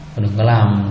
và đừng có làm